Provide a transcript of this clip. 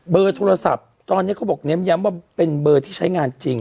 โทรศัพท์ตอนนี้เขาบอกเน้นย้ำว่าเป็นเบอร์ที่ใช้งานจริง